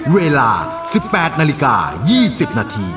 เวลา๑๘นาฬิกา๒๐นาที